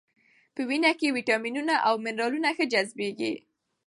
په وینه کې ویټامینونه او منرالونه ښه جذبېږي.